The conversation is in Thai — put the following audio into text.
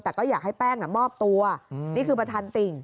แต่ก็อยากให้แป้งมอบตัวนี่คือประธานติ่ง